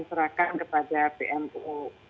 diserahkan kepada pmu